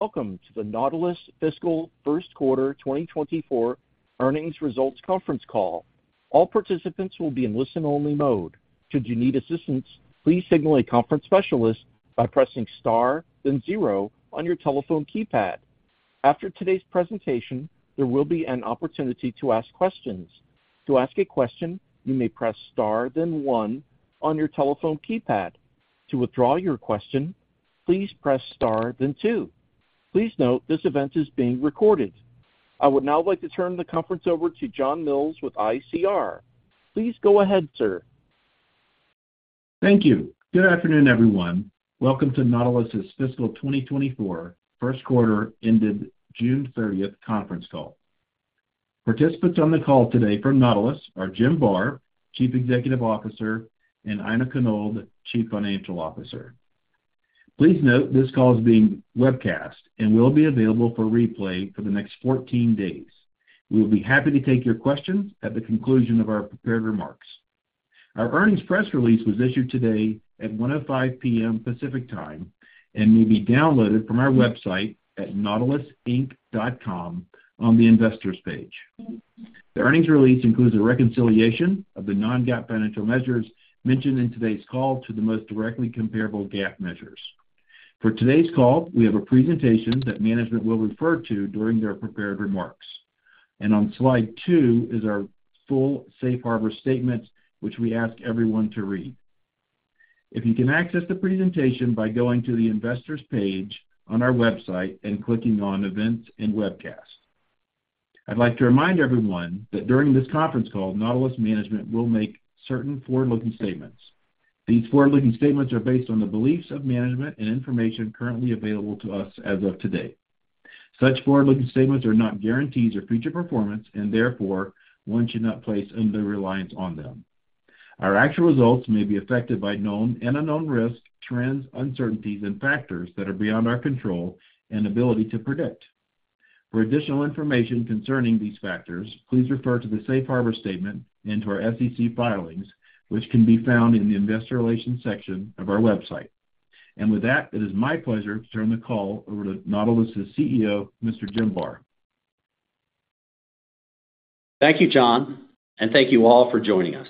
Welcome to the Nautilus Fiscal First Quarter 2024 Earnings Results Conference Call. All participants will be in listen-only mode. Should you need assistance, please signal a conference specialist by pressing Star, then zero on your telephone keypad. After today's presentation, there will be an opportunity to ask questions. To ask a question, you may press star, then one on your telephone keypad. To withdraw your question, please press star, then two. Please note, this event is being recorded. I would now like to turn the conference over to John Mills with ICR. Please go ahead, sir. Thank you. Good afternoon, everyone. Welcome to Nautilus's Fiscal 2024 First Quarter, ended June 30th, conference call. Participants on the call today from Nautilus are Jim Barr, Chief Executive Officer, and Aina Konold, Chief Financial Officer. Please note, this call is being webcast and will be available for replay for the next 14 days. We will be happy to take your questions at the conclusion of our prepared remarks. Our earnings press release was issued today at 1:05 P.M. Pacific Time, may be downloaded from our website at nautilusinc.com on the Investors page. The earnings release includes a reconciliation of the non-GAAP fAinancial measures mentioned in today's call to the most directly comparable GAAP measures. For today's call, we have a presentation that management will refer to during their prepared remarks. On Slide 2 is our full safe harbor statement, which we ask everyone to read. If you can access the presentation by going to the Investors page on our website and clicking on Events and Webcasts. I'd like to remind everyone that during this conference call, Nautilus management will make certain forward-looking statements. These forward-looking statements are based on the beliefs of management and information currently available to us as of today. Such forward-looking statements are not guarantees or future performance, and therefore, one should not place undue reliance on them. Our actual results may be affected by known and unknown risks, trends, uncertainties and factors that are beyond our control and ability to predict. For additional information concerning these factors, please refer to the safe harbor statement and to our SEC filings, which can be found in the Investor Relations section of our website. With that, it is my pleasure to turn the call over to Nautilus's CEO, Mr. Jim Barr. Thank you, John, and thank you all for joining us.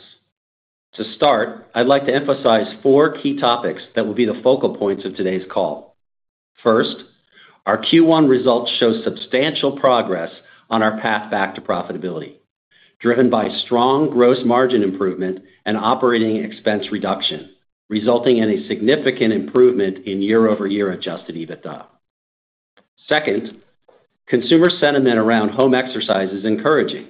To start, I'd like to emphasize four key topics that will be the focal points of today's call. First, our Q1 results show substantial progress on our path back to profitability, driven by strong gross margin improvement and operating expense reduction, resulting in a significant improvement in year-over-year adjusted EBITDA. Second, consumer sentiment around home exercise is encouraging,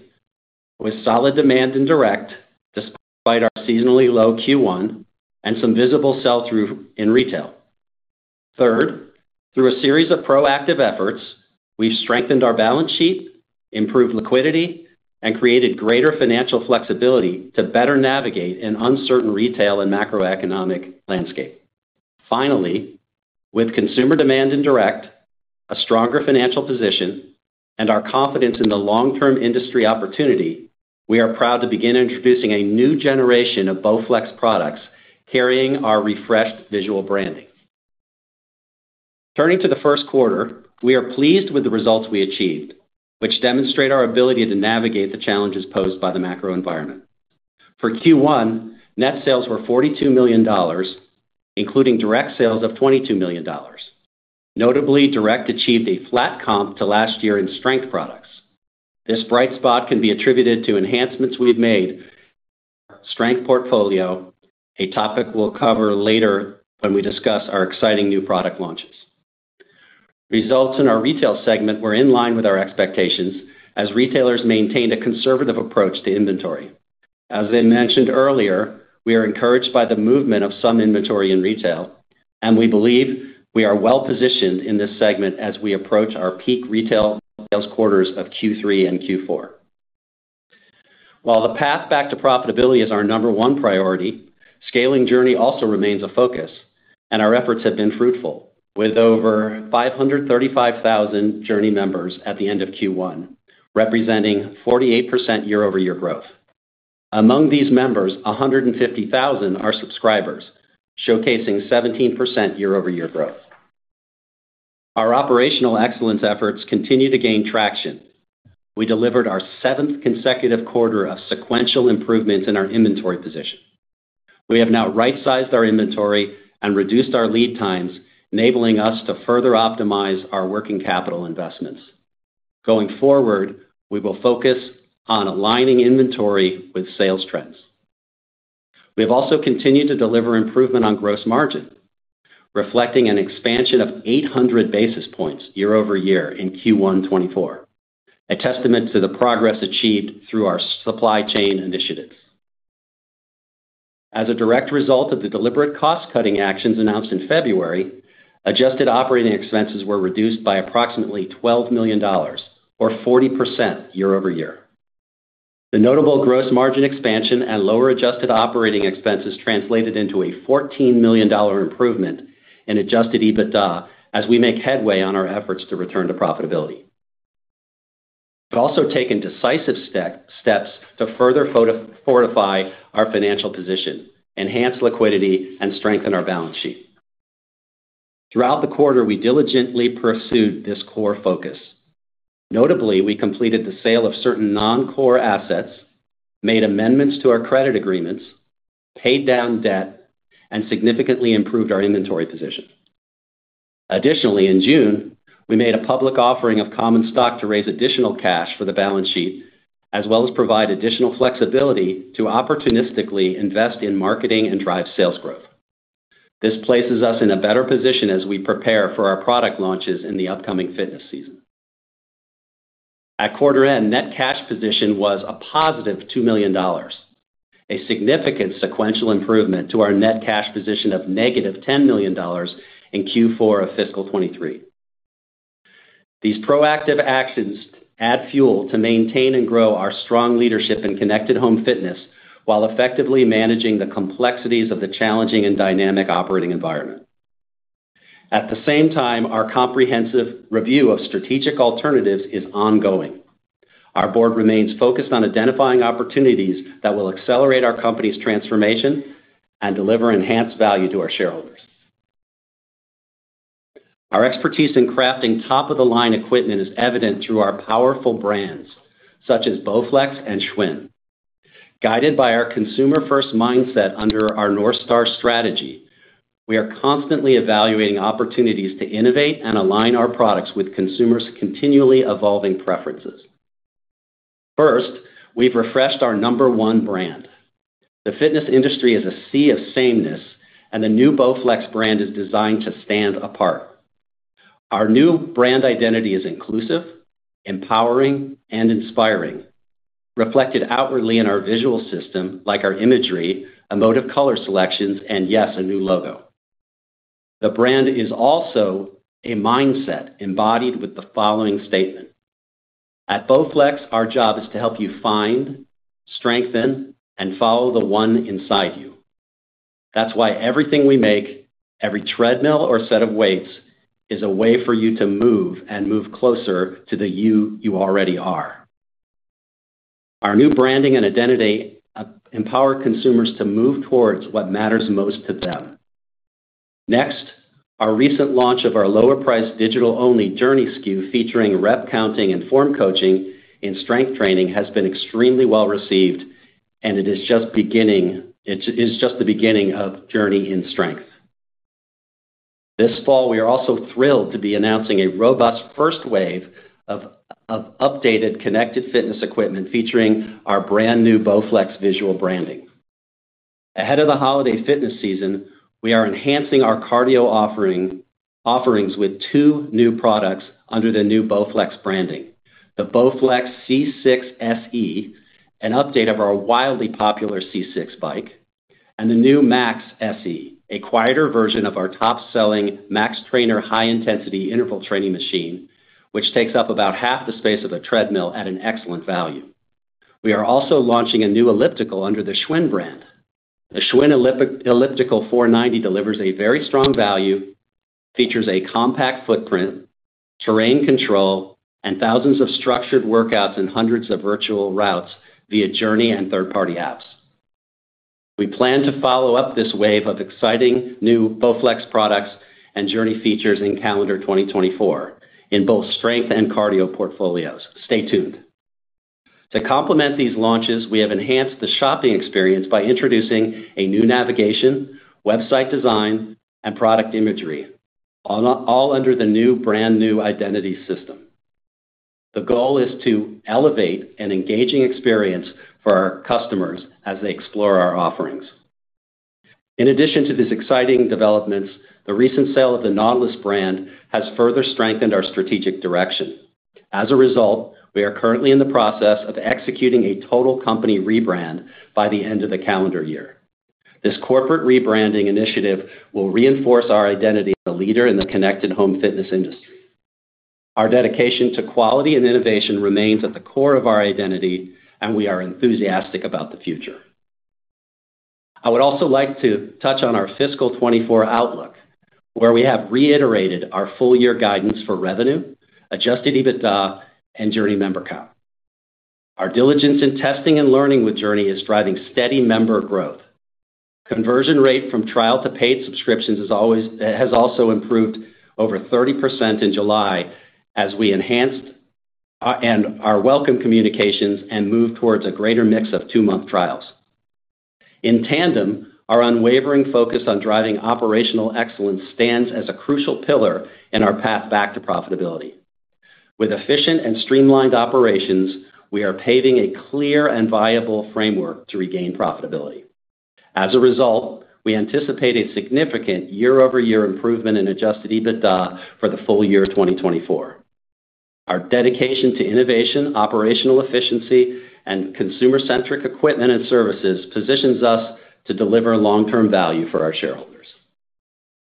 with solid demand in direct, despite our seasonally low Q1 and some visible sell-through in retail. Third, through a series of proactive efforts, we've strengthened our balance sheet, improved liquidity, and created greater fAinancial flexibility to better navigate an uncertain retail and macroeconomic landscape. FAinally, with consumer demand in direct, a stronger fAinancial position, and our confidence in the long-term industry opportunity, we are proud to begin introducing a new generation of BowFlex products carrying our refreshed visual branding. Turning to the first quarter, we are pleased with the results we achieved, which demonstrate our ability to navigate the challenges posed by the macro environment. For Q1, net sales were $42 million, including direct sales of $22 million. Notably, direct achieved a flat comp to last year in strength products. This bright spot can be attributed to enhancements we've made to our strength portfolio, a topic we'll cover later when we discuss our exciting new product launches. Results in our retail segment were in line with our expectations, as retailers maintained a conservative approach to inventory. As I mentioned earlier, we are encouraged by the movement of some inventory in retail, and we believe we are well positioned in this segment as we approach our peak retail sales quarters of Q3 and Q4. While the path back to profitability is our number one priority, scaling JRNY also remains a focus, and our efforts have been fruitful, with over 535,000 JRNY members at the end of Q1, representing 48% year-over-year growth. Among these members, 150,000 are subscribers, showcasing 17% year-over-year growth. Our operational excellence efforts continue to gain traction. We delivered our seventh consecutive quarter of sequential improvement in our inventory position. We have now right-sized our inventory and reduced our lead times, enabling us to further optimize our working capital investments. Going forward, we will focus on aligning inventory with sales trends. We have also continued to deliver improvement on gross margin, reflecting an expansion of 800 basis points year-over-year in Q1 2024, a testament to the progress achieved through our supply chain initiatives. As a direct result of the deliberate cost-cutting actions announced in February, adjusted operating expenses were reduced by approximately $12 million, or 40% year-over-year. The notable gross margin expansion and lower adjusted operating expenses translated into a $14 million improvement in adjusted EBITDA, as we make headway on our efforts to return to profitability. also taken decisive steps to further fortify our fAinancial position, enhance liquidity, and strengthen our balance sheet. Throughout the quarter, we diligently pursued this core focus. Notably, we completed the sale of certain non-core assets, made amendments to our credit agreements, paid down debt, and significantly improved our inventory position. Additionally, in June, we made a public offering of common stock to raise additional cash for the balance sheet, as well as provide additional flexibility to opportunistically invest in marketing and drive sales growth. This places us in a better position as we prepare for our product launches in the upcoming fitness season. At quarter end, net cash position was a positive $2 million, a significant sequential improvement to our net cash position of -$10 million in Q4 of fiscal 2023. These proactive actions add fuel to maintain and grow our strong leadership in connected home fitness, while effectively managing the complexities of the challenging and dynamic operating environment. At the same time, our comprehensive review of strategic alternatives is ongoing. Our board remains focused on identifying opportunities that will accelerate our company's transformation and deliver enhanced value to our shareholders. Our expertise in crafting top-of-the-line equipment is evident through our powerful brands, such as BowFlex and Schwinn. Guided by our consumer-first mindset under our North Star strategy, we are constantly evaluating opportunities to innovate and align our products with consumers' continually evolving preferences. First, we've refreshed our number one brand. The fitness industry is a sea of sameness, and the new BowFlex brand is designed to stand apart. Our new brand identity is inclusive, empowering, and inspiring, reflected outwardly in our visual system, like our imagery, emotive color selections, and, yes, a new logo. The brand is also a mindset embodied with the following statement: "At BowFlex, our job is to help you find, strengthen, and follow the one inside you. That's why everything we make, every treadmill or set of weights, is a way for you to move and move closer to the you, you already are." Our new branding and identity, empower consumers to move towards what matters most to them. Our recent launch of our lower-priced digital-only JRNY SKU, featuring rep counting and form coaching in strength training, has been extremely well-received, it is just the beginning of JRNY in Strength. This fall, we are also thrilled to be announcing a robust first wave of updated connected fitness equipment, featuring our brand-new BowFlex visual branding. Ahead of the holiday fitness season, we are enhancing our cardio offerings with two new products under the new BowFlex branding. The BowFlex C6 SE, an update of our wildly popular C6 bike, and the new Max SE, a quieter version of our top-selling Max Trainer high-intensity interval training machine, which takes up about half the space of a treadmill at an excellent value. We are also launching a new elliptical under the Schwinn brand. The Schwinn 490 Elliptical delivers a very strong value, features a compact footprint, terrain control, and thousands of structured workouts and hundreds of virtual routes via JRNY and third-party apps. We plan to follow up this wave of exciting new BowFlex products and JRNY features in calendar 2024 in both strength and cardio portfolios. Stay tuned. To complement these launches, we have enhanced the shopping experience by introducing a new navigation, website design, and product imagery, all under the new, brand-new identity system. The goal is to elevate an engaging experience for our customers as they explore our offerings. In addition to these exciting developments, the recent sale of the Nautilus brand has further strengthened our strategic direction. As a result, we are currently in the process of executing a total company rebrand by the end of the calendar year. This corporate rebranding initiative will reinforce our identity as a leader in the connected home fitness industry. Our dedication to quality and innovation remains at the core of our identity, and we are enthusiastic about the future. I would also like to touch on our fiscal 2024 outlook, where we have reiterated our full-year guidance for revenue, adjusted EBITDA, and JRNY member count. Our diligence in testing and learning with JRNY is driving steady member growth. Conversion rate from trial to paid subscriptions has also improved over 30% in July as we enhanced our, and our welcome communications and moved towards a greater mix of two-month trials. In tandem, our unwavering focus on driving operational excellence stands as a crucial pillar in our path back to profitability. With efficient and streamlined operations, we are paving a clear and viable framework to regain profitability. As a result, we anticipate a significant year-over-year improvement in adjusted EBITDA for the full year 2024. Our dedication to innovation, operational efficiency, and consumer-centric equipment and services positions us to deliver long-term value for our shareholders.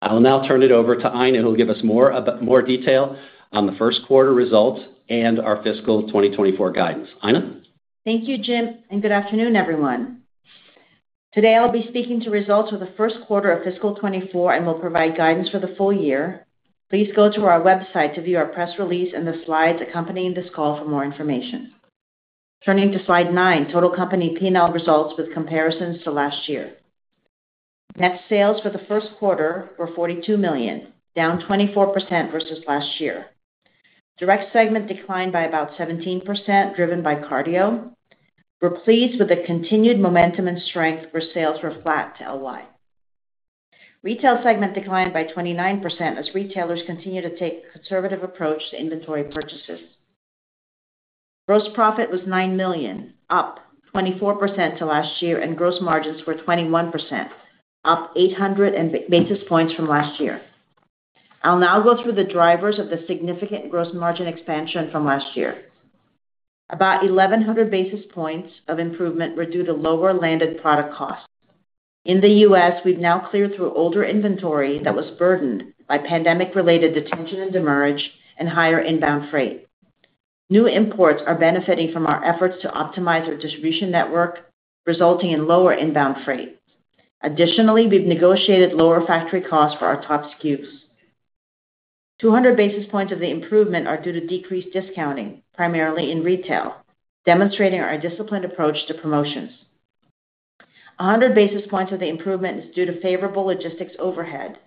I will now turn it over to Aina, who will give us more detail on the first quarter results and our fiscal 2024 guidance. Aina? Thank you, Jim. Good afternoon, everyone. Today, I'll be speaking to results for the first quarter of fiscal 2024, and we'll provide guidance for the full year. Please go to our website to view our press release and the slides accompanying this call for more information. Turning to Slide 9, total company P&L results with comparisons to last year. Net sales for the first quarter were $42 million, down 24% versus last year. Direct segment declined by about 17%, driven by cardio. We're pleased with the continued momentum and strength, where sales were flat to LY. Retail segment declined by 29% as retailers continue to take a conservative approach to inventory purchases. Gross profit was $9 million, up 24% to last year, and gross margins were 21%, up 800 basis points from last year. I'll now go through the drivers of the significant gross margin expansion from last year. About 1,100 basis points of improvement were due to lower landed product costs. In the U.S., we've now cleared through older inventory that was burdened by pandemic-related detention and demurrage and higher inbound freight. New imports are benefiting from our efforts to optimize our distribution network, resulting in lower inbound freight. Additionally, we've negotiated lower factory costs for our top SKUs. 200 basis points of the improvement are due to decreased discounting, primarily in retail, demonstrating our disciplined approach to promotions. 100 basis points of the improvement is due to favorable logistics overhead,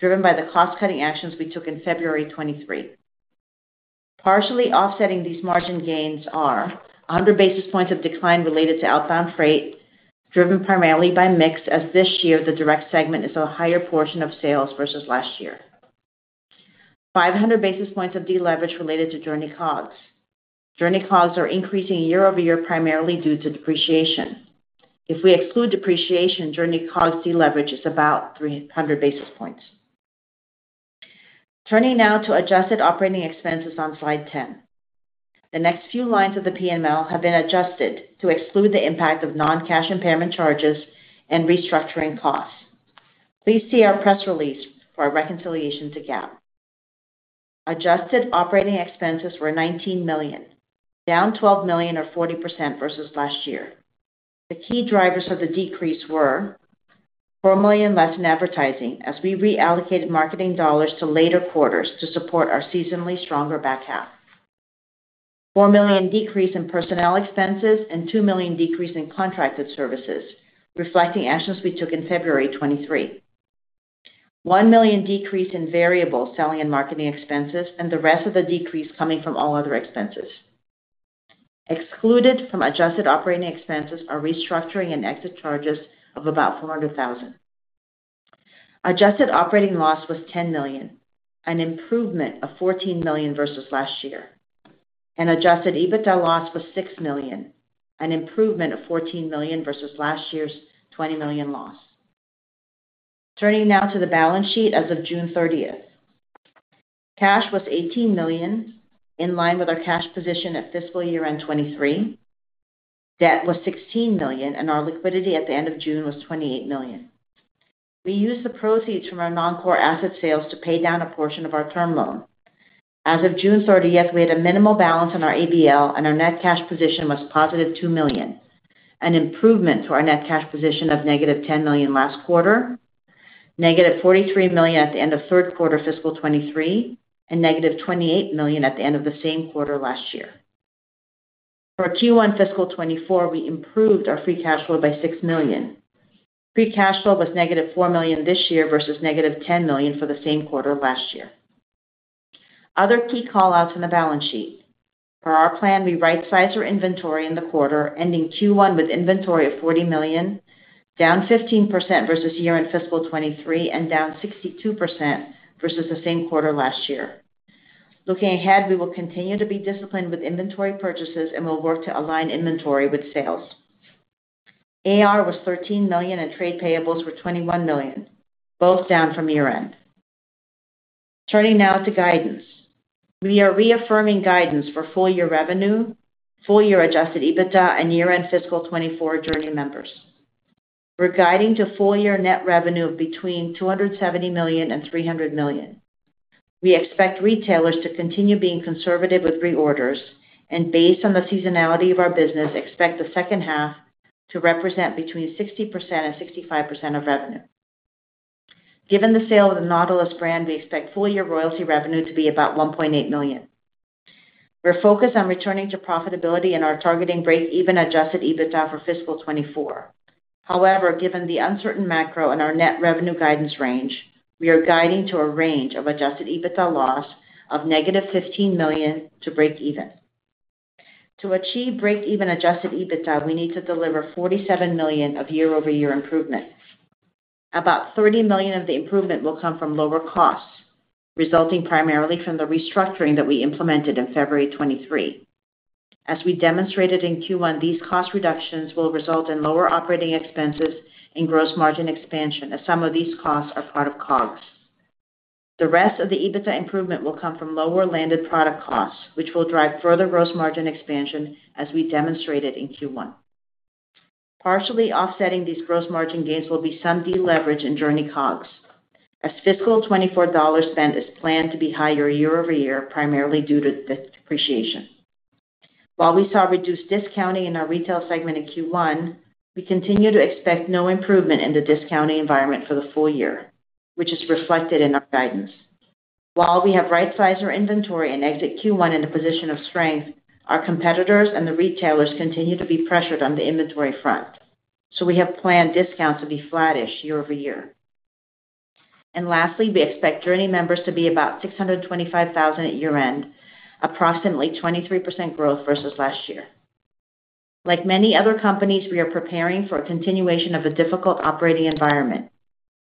driven by the cost-cutting actions we took in February 2023. Partially offsetting these margin gains are 100 basis points of decline related to outbound freight, driven primarily by mix, as this year the direct segment is a higher portion of sales versus last year. 500 basis points of deleverage related to JRNY COGS. JRNY COGS are increasing year-over-year, primarily due to depreciation. If we exclude depreciation, JRNY COGS deleverage is about 300 basis points. Turning now to adjusted operating expenses on Slide 10. The next few lines of the P&L have been adjusted to exclude the impact of non-cash impairment charges and restructuring costs. Please see our press release for a reconciliation to GAAP. Adjusted operating expenses were $19 million, down $12 million, or 40% versus last year. The key drivers of the decrease were: $4 million less in advertising, as we reallocated marketing dollars to later quarters to support our seasonally stronger back half. $4 million decrease in personnel expenses and $2 million decrease in contracted services, reflecting actions we took in February 2023. $1 million decrease in variable selling and marketing expenses, the rest of the decrease coming from all other expenses. Excluded from adjusted operating expenses are restructuring and exit charges of about $400,000. adjusted operating loss was $10 million, an improvement of $14 million versus last year. Adjusted EBITDA loss was $6 million, an improvement of $14 million versus last year's $20 million loss. Turning now to the balance sheet as of June 30th. Cash was $18 million, in line with our cash position at fiscal year-end 2023. Debt was $16 million. Our liquidity at the end of June was $28 million. We used the proceeds from our non-core asset sales to pay down a portion of our term loan. As of June 30th, we had a minimal balance on our ABL and our net cash position was positive $2 million, an improvement to our net cash position of -$10 million last quarter, -$43 million at the end of third quarter fiscal 2023, and -$28 million at the end of the same quarter last year. For Q1 fiscal 2024, we improved our free cash flow by $6 million. Free cash flow was -$4 million this year versus -$10 million for the same quarter last year. Other key call-outs in the balance sheet. Per our plan, we rightsized our inventory in the quarter, ending Q1 with inventory of $40 million, down 15% versus year-end fiscal 2023 and down 62% versus the same quarter last year. Looking ahead, we will continue to be disciplined with inventory purchases and we'll work to align inventory with sales. AR was $13 million and trade payables were $21 million, both down from year-end. Turning now to guidance. We are reaffirming guidance for full year revenue, full year adjusted EBITDA, and year-end fiscal 2024 JRNY members. We're guiding to full year net revenue of between $270 million and $300 million. We expect retailers to continue being conservative with reorders and, based on the seasonality of our business, expect the second half to represent between 60% and 65% of revenue. Given the sale of the Nautilus brand, we expect full year royalty revenue to be about $1.8 million. We're focused on returning to profitability and are targeting break-even adjusted EBITDA for fiscal 2024. Given the uncertain macro and our net revenue guidance range, we are guiding to a range of adjusted EBITDA loss of -$15 million to break even. To achieve break-even adjusted EBITDA, we need to deliver $47 million of year-over-year improvements. About $30 million of the improvement will come from lower costs, resulting primarily from the restructuring that we implemented in February 2023. As we demonstrated in Q1, these cost reductions will result in lower operating expenses and gross margin expansion, as some of these costs are part of COGS. The rest of the EBITDA improvement will come from lower landed product costs, which will drive further gross margin expansion, as we demonstrated in Q1. Partially offsetting these gross margin gains will be some deleverage in JRNY COGS, as fiscal 2024 dollar spend is planned to be higher year-over-year, primarily due to depreciation. While we saw reduced discounting in our retail segment in Q1, we continue to expect no improvement in the discounting environment for the full year, which is reflected in our guidance. We have right-sized our inventory and exit Q1 in a position of strength. Our competitors and the retailers continue to be pressured on the inventory front. We have planned discounts to be flattish year-over-year. Lastly, we expect JRNY members to be about 625,000 at year-end, approximately 23% growth versus last year. Like many other companies, we are preparing for a continuation of a difficult operating environment.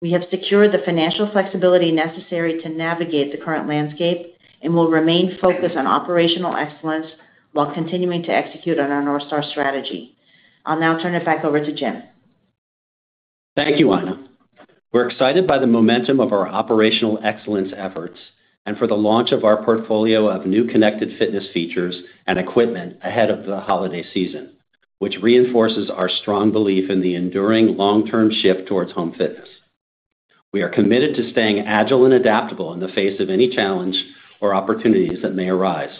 We have secured the financial flexibility necessary to navigate the current landscape and will remain focused on operational excellence while continuing to execute on our North Star strategy. I'll now turn it back over to Jim. Thank you, Aina. We're excited by the momentum of our operational excellence efforts and for the launch of our portfolio of new connected fitness features and equipment ahead of the holiday season, which reinforces our strong belief in the enduring long-term shift towards home fitness. We are committed to staying agile and adaptable in the face of any challenge or opportunities that may arise.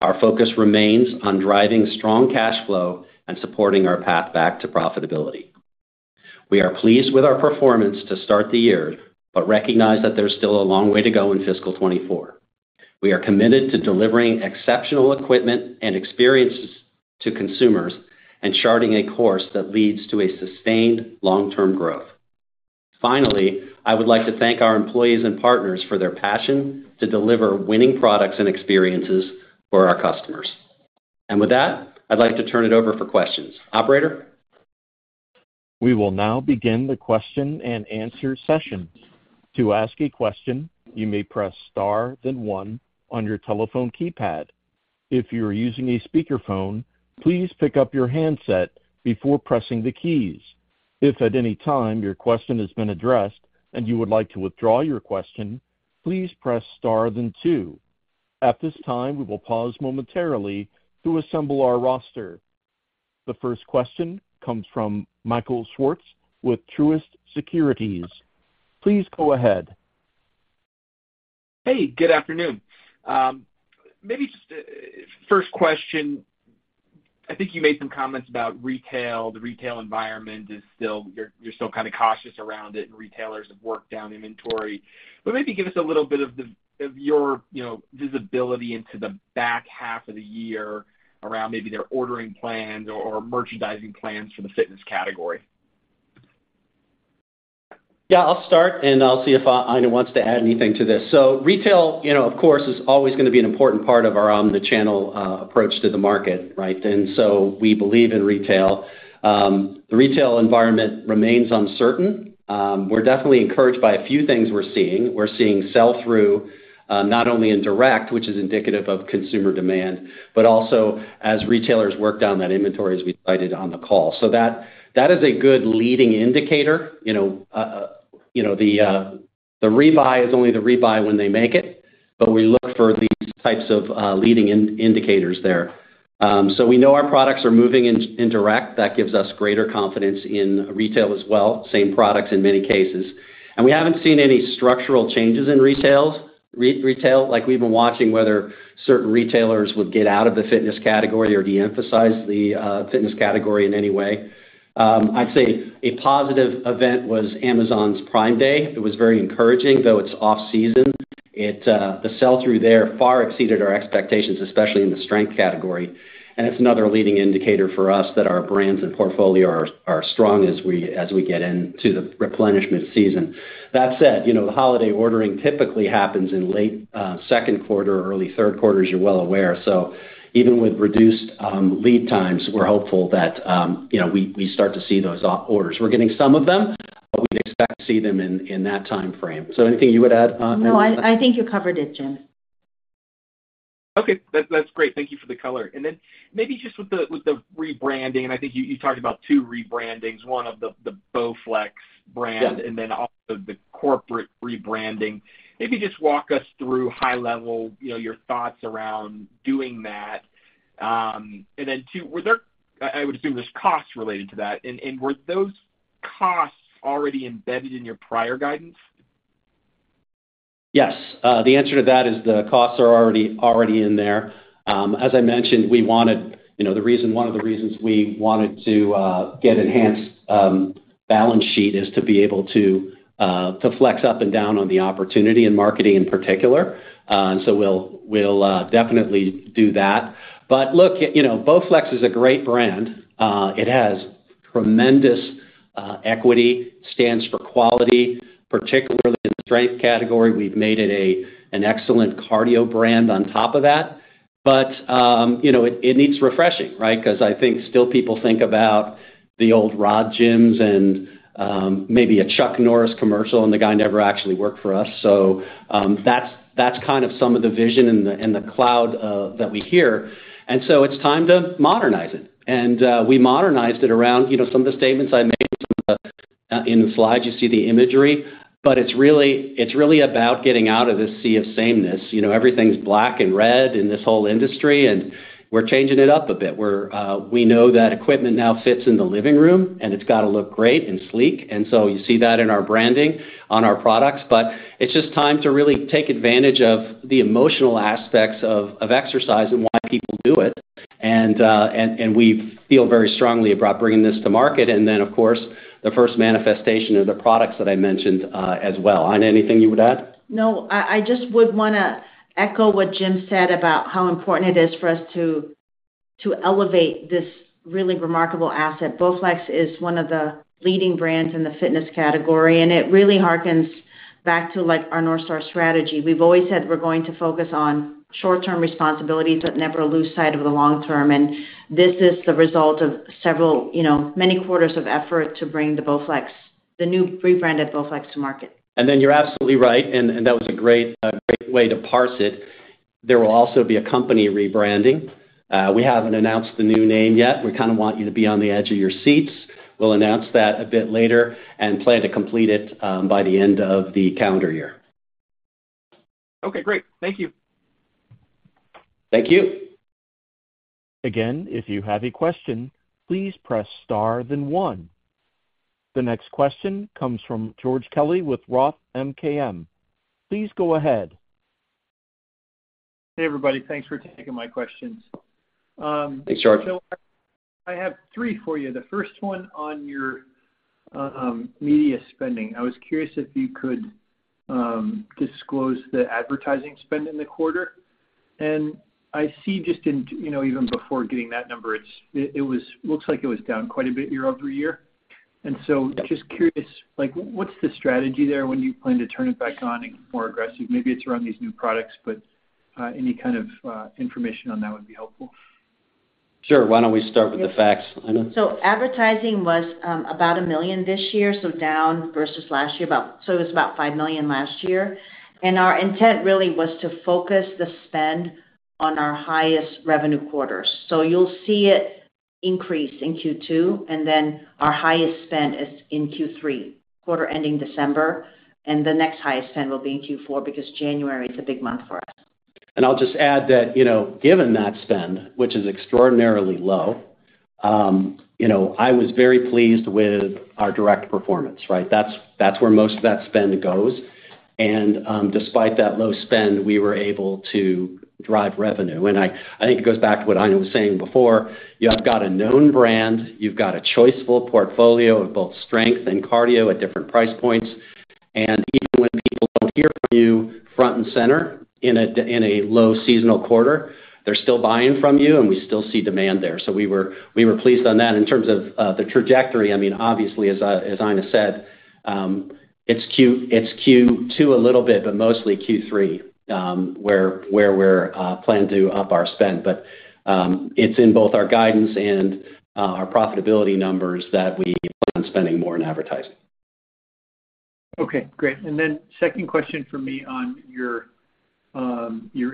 Our focus remains on driving strong cash flow and supporting our path back to profitability. We are pleased with our performance to start the year, but recognize that there's still a long way to go in fiscal 2024. We are committed to delivering exceptional equipment and experiences to consumers and charting a course that leads to a sustained long-term growth. Finally, I would like to thank our employees and partners for their passion to deliver winning products and experiences for our customers. With that, I'd like to turn it over for questions. Operator? We will now begin the question and answer session. To ask a question, you may press star then one on your telephone keypad. If you are using a speakerphone, please pick up your handset before pressing the keys. If at any time your question has been addressed and you would like to withdraw your question, please press star than two. At this time, we will pause momentarily to assemble our roster. The first question comes from Michael Swartz with Truist Securities. Please go ahead. Hey, good afternoon. Maybe just, first question: I think you made some comments about retail. The retail environment is you're still kind of cautious around it, and retailers have worked down inventory. Maybe give us a little bit of your, you know, visibility into the back half of the year around maybe their ordering plans or merchandising plans for the fitness category. Yeah, I'll start, I'll see if Aina wants to add anything to this. Retail, you know, of course, is always going to be an important part of our, the channel approach to the market, right? We believe in retail. The retail environment remains uncertain. We're definitely encouraged by a few things we're seeing. We're seeing sell-through, not only in direct, which is indicative of consumer demand, but also as retailers work down that inventory, as we cited on the call. That, that is a good leading indicator. You know, you know, the rebuy is only the rebuy when they make it, but we look for these types of leading in- indicators there. We know our products are moving in, in direct. That gives us greater confidence in retail as well, same products in many cases. We haven't seen any structural changes in retail. Like, we've been watching whether certain retailers would get out of the fitness category or de-emphasize the fitness category in any way. I'd say a positive event was Amazon's Prime Day. It was very encouraging, though it's off-season. It, the sell-through there far exceeded our expectations, especially in the strength category. It's another leading indicator for us that our brands and portfolio are strong as we get into the replenishment season. That said, you know, holiday ordering typically happens in late second quarter or early third quarter, as you're well aware. Even with reduced lead times, we're hopeful that, you know, we start to see those orders. We're getting some of them, but we expect to see them in, in that timeframe. Anything you would add, Aina? No, I, I think you covered it, Jim. Okay. That's great. Thank you for the color. Then maybe just with the rebranding, and I think you, you talked about two rebrandings, one of the BowFlex brand... Yeah. Also the corporate rebranding. Maybe just walk us through high level, you know, your thoughts around doing that. 2, were there-- I, I would assume there's costs related to that, and, and were those costs already embedded in your prior guidance? Yes. The answer to that is the costs are already, already in there. As I mentioned, we wanted... You know, the reason- one of the reasons we wanted to get enhanced balance sheet is to be able to to flex up and down on the opportunity in marketing in particular. We'll, we'll definitely do that. Look, you know, BowFlex is a great brand. It has tremendous equity, stands for quality, particularly in the strength category. We've made it an excellent cardio brand on top of that. You know, it, it needs refreshing, right? Because I think still people think about the old rod gyms and maybe a Chuck Norris commercial, and the guy never actually worked for us. That's, that's kind of some of the vision and the, and the cloud that we hear. It's time to modernize it. We modernized it around, you know, some of the statements I made in the slide, you see the imagery, but it's really, it's really about getting out of this sea of sameness. You know, everything's black and red in this whole industry, and we're changing it up a bit. We're, we know that equipment now fits in the living room, and it's got to look great and sleek, and so you see that in our branding on our products. It's just time to really take advantage of the emotional aspects of, of exercise and why people do it. And, and we feel very strongly about bringing this to market. Then, of course, the first manifestation of the products that I mentioned, as well. Aina, anything you would add? No, I, I just would want to echo what Jim said about how important it is for us to, to elevate this really remarkable asset. BowFlex is one of the leading brands in the fitness category, and it really harkens back to, like, our North Star strategy. We've always said we're going to focus on short-term responsibilities but never lose sight of the long term. This is the result of several, you know, many quarters of effort to bring the BowFlex, the new rebranded BowFlex, to market. You're absolutely right, and, and that was a great, a great way to parse it. There will also be a company rebranding. We haven't announced the new name yet. We kinda want you to be on the edge of your seats. We'll announce that a bit later and plan to complete it by the end of the calendar year. Okay, great. Thank you. Thank you. Again, if you have a question, please press star then 1. The next question comes from George Kelly with Roth MKM. Please go ahead. Hey, everybody, thanks for taking my questions. Thanks, George. I have 3 for you. The first one on your media spending. I was curious if you could disclose the advertising spend in the quarter. I see just in, you know, even before getting that number, it's it was looks like it was down quite a bit year-over-year. Just curious, like, what's the strategy there when you plan to turn it back on and more aggressive? Maybe it's around these new products, but any kind of information on that would be helpful. Sure. Why don't we start with the facts, Aina? Advertising was about $1 million this year, down versus last year, about... It was about $5 million last year. Our intent really was to focus the spend on our highest revenue quarters. You'll see it increase in Q2, and then our highest spend is in Q3, quarter ending December, and the next highest spend will be in Q4 because January is a big month for us. I'll just add that, you know, given that spend, which is extraordinarily low, you know, I was very pleased with our direct performance, right? That's, that's where most of that spend goes. Despite that low spend, we were able to drive revenue. I, I think it goes back to what Aina was saying before. You have got a known brand, you've got a choiceful portfolio of both strength and cardio at different price points, and even when people don't hear from you front and center in a low seasonal quarter, they're still buying from you, and we still see demand there. We were, we were pleased on that. In terms of the trajectory, I mean, obviously, as I-- as Aina said, it's Q-- it's Q2 a little bit, but mostly Q3, where, where we're planning to up our spend. It's in both our guidance and our profitability numbers that we plan on spending more in advertising. Okay, great. Second question for me on your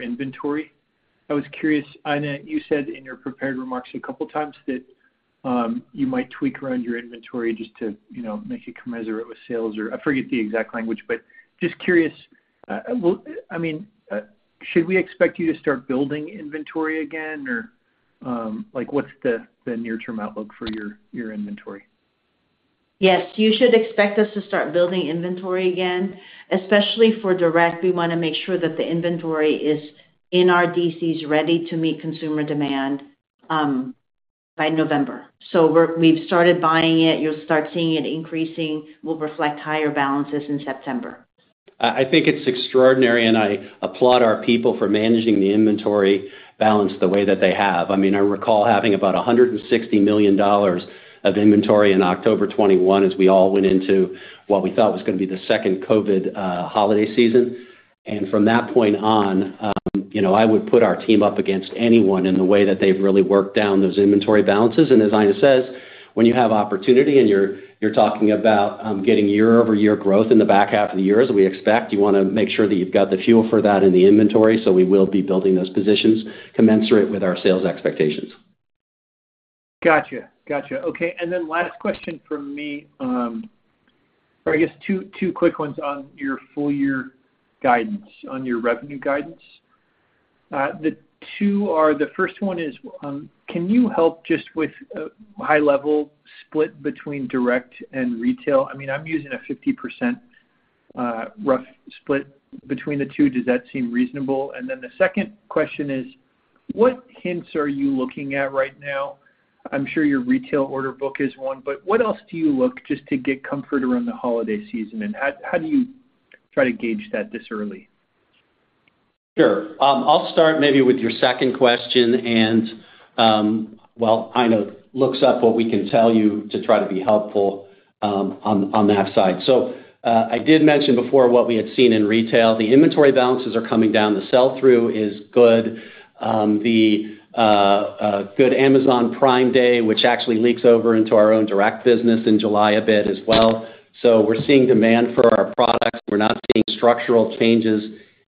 inventory. I was curious, Aina, you said in your prepared remarks a couple of times that you might tweak around your inventory just to, you know, make it commensurate with sales, or I forget the exact language. Just curious, well, I mean, should we expect you to start building inventory again, or like, what's the near-term outlook for your inventory? Yes, you should expect us to start building inventory again. Especially for direct, we want to make sure that the inventory is in our DCs, ready to meet consumer demand by November. We've started buying it. You'll start seeing it increasing. We'll reflect higher balances in September. I think it's extraordinary, and I applaud our people for managing the inventory balance the way that they have. I mean, I recall having about $160 million of inventory in October 2021, as we all went into what we thought was going to be the second COVID holiday season. From that point on, you know, I would put our team up against anyone in the way that they've really worked down those inventory balances. As Aina says, when you have opportunity and you're, you're talking about getting year-over-year growth in the back half of the year, as we expect, you wanna make sure that you've got the fuel for that in the inventory. We will be building those positions commensurate with our sales expectations. Gotcha. Gotcha. Okay, last question from me, or I guess 2, 2 quick ones on your full year guidance, on your revenue guidance. The 2 are: The first one is, can you help just with a high-level split between direct and retail? I mean, I'm using a 50% rough split between the two. Does that seem reasonable? The second question is: What hints are you looking at right now? I'm sure your retail order book is one, but what else do you look just to get comfort around the holiday season, and how, how do you try to gauge that this early? Sure. I'll start maybe with your second question, while Aina looks up what we can tell you to try to be helpful. I did mention before what we had seen in retail. The inventory balances are coming down, the sell-through is good. The good Amazon Prime Day, which actually leaks over into our own direct business in July a bit as well. We're seeing demand for our products. We're not seeing structural changes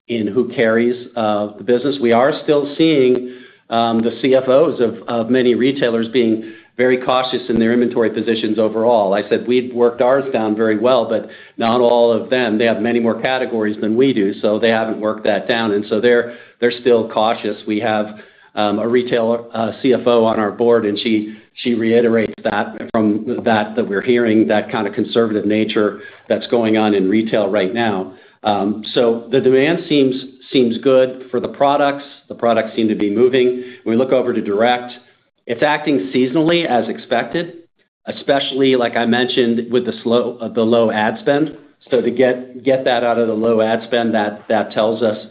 in who carries the business. We are still seeing the CFOs of many retailers being very cautious in their inventory positions overall. I said we've worked ours down very well, but not all of them. They have many more categories than we do, so they haven't worked that down. They're, they're still cautious. We have a retailer, CFO on our board, and she, she reiterates that from that, that we're hearing that kind of conservative nature that's going on in retail right now. The demand seems, seems good for the products. The products seem to be moving. We look over to direct. It's acting seasonally as expected. Especially, like I mentioned, with the low ad spend. To get, get that out of the low ad spend, that, that tells us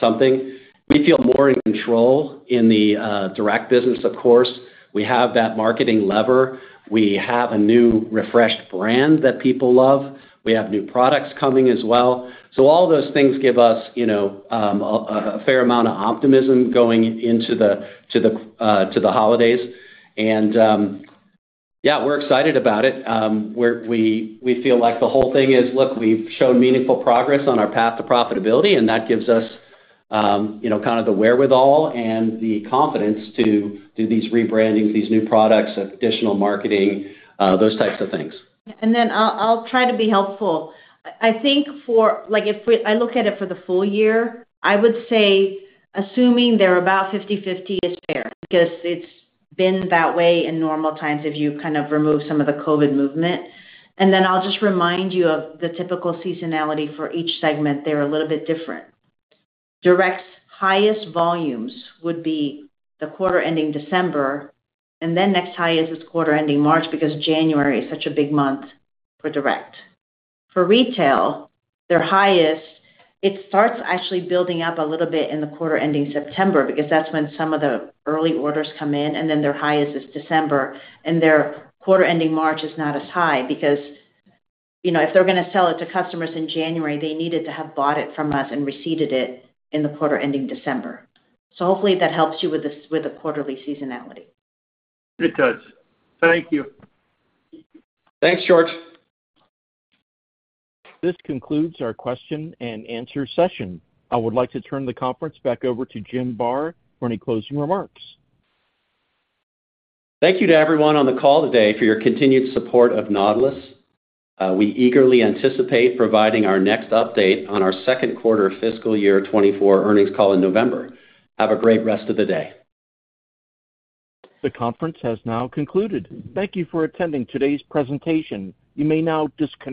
something. We feel more in control in the direct business, of course. We have that marketing lever. We have a new refreshed brand that people love. We have new products coming as well. All of those things give us, you know, a fair amount of optimism going into the, to the holidays. Yeah, we're excited about it. We feel like the whole thing is, look, we've shown meaningful progress on our path to profitability, and that gives us, you know, kind of the wherewithal and the confidence to do these rebranding, these new products, additional marketing, those types of things. I'll, I'll try to be helpful. I think, I look at it for the full year, I would say assuming they're about 50/50 is fair, because it's been that way in normal times, if you kind of remove some of the COVID movement. I'll just remind you of the typical seasonality for each segment, they're a little bit different. Direct's highest volumes would be the quarter ending December, and then next highest is quarter ending March, because January is such a big month for direct. For retail, their highest, it starts actually building up a little bit in the quarter ending September, because that's when some of the early orders come in, and then their highest is December, and their quarter ending March is not as high. You know, if they're going to sell it to customers in January, they needed to have bought it from us and receipted it in the quarter ending December. Hopefully that helps you with this, with the quarterly seasonality. It does. Thank you. Thanks, George. This concludes our question and answer session. I would like to turn the conference back over to Jim Barr for any closing remarks. Thank you to everyone on the call today for your continued support of Nautilus. We eagerly anticipate providing our next update on our second quarter fiscal year 2024 earnings call in November. Have a great rest of the day. The conference has now concluded. Thank you for attending today's presentation. You may now disconnect.